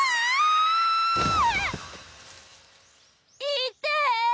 いって。